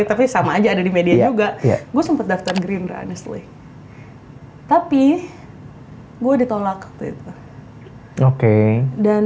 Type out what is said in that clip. tapi sama aja ada di media juga ya gua sempet daftar green honestly tapi gue ditolak oke dan